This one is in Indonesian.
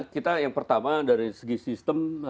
kita yang pertama dari segi sistem